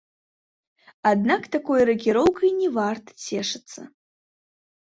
Аднак такой ракіроўкай не варта цешыцца.